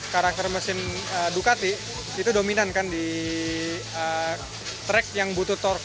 karakter mesin ducati itu dominan kan di track yang butuh tork